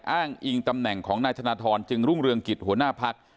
อ้างอิงตำแหน่งของนายธนทรจึงรุ่งเรืองกิจหัวหน้าพัก